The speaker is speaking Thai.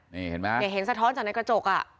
นี่เห็นไหมเนี่ยเห็นสะท้อนจากในกระจกอ่ะ